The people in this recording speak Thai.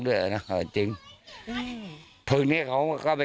เสพนี้อันนั้นจะมีแน่นอนจะมีเลยนะ